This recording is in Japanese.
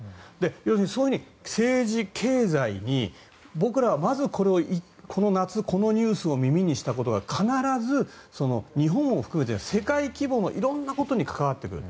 要するに政治、経済に僕らはまず、この夏このニュースを耳にしたことが必ず、日本を含めて世界規模のいろんなことに関わってくる。